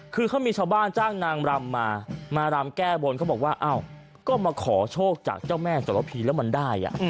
คือเขามีชาวบ้านจ้างนางรำมามารำแก้บนเขาบอกว่าอ้าวก็มาขอโชคจากเจ้าแม่สรพีแล้วมันได้